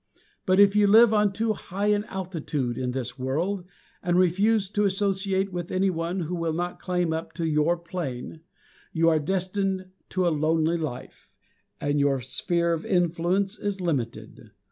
But if you live on too high an altitude, in this world, and refuse to associate with any one who will not climb up to your plane, you are destined to a lonely life, and your sphere of influence is limited.